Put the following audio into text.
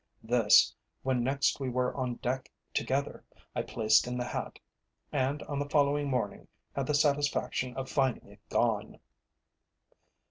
This, when next we were on deck together, I placed in the hat, and on the following morning had the satisfaction of finding it gone.